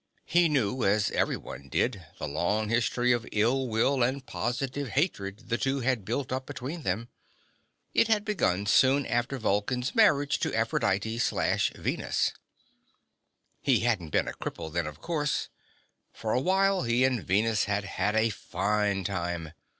He knew, as everyone did, the long history of ill will and positive hatred the two had built up between them. It had begun soon after Vulcan's marriage to Aphrodite/Venus. He hadn't been a cripple then, of course. For a while, he and Venus had had a fine time.